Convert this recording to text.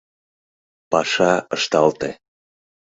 Паша ышталте.